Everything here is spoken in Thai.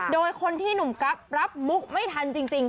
โดยคนที่หนุ่มกั๊บรับมุกไม่ทันจริง